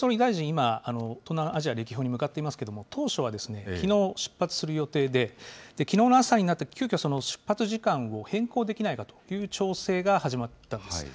今、東南アジア歴訪に向かっていますけれども、当初はですね、きのう、出発する予定で、きのうの朝になって、急きょ、出発時間を変更できないかという調整が始まったんです。